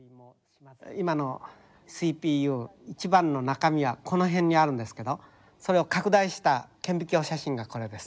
今のＣＰＵ一番の中身はこの辺にあるんですけどそれを拡大した顕微鏡写真がこれです。